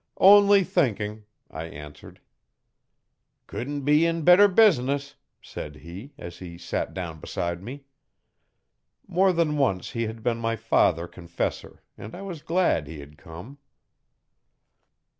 'Only thinking,' I answered. 'Couldn't be in better business,' said he as he sat down beside me. More than once he had been my father confessor and I was glad he had come.